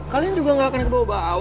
kalian juga gak akan ada kebawa bawa